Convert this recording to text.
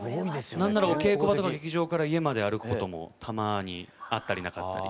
なんならお稽古場とか劇場から家まで歩くこともたまにあったりなかったり。